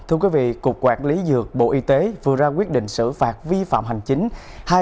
thưa quý vị cục quản lý dược bộ y tế vừa ra quyết định xử phạt vi phạm hành chính